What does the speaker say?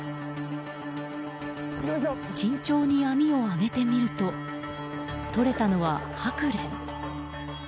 慎重に網を揚げてみるととれたのはハクレン。